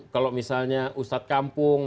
kalau misalnya ustadz kampung